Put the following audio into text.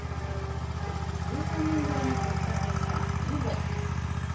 １３年ぶりに復活した囲碁。